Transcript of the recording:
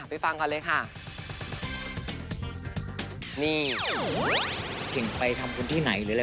ฟังก่อนเลยค่ะนี่เก่งไปทำบุญที่ไหนหรืออะไร